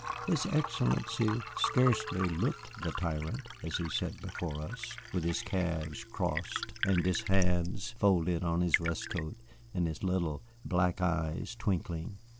His Excellency scarcely looked the tyrant as he sat before us, with his calves crossed and his hands folded on his waistcoat and his little black eyes twinkling.